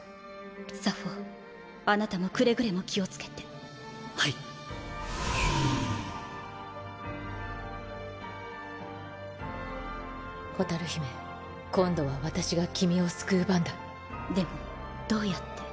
サフォーあなたもくれぐれも気をつけてはい蛍姫今度は私が君を救う番だでもどうやって？